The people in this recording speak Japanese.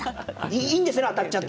いいんですね当てちゃって。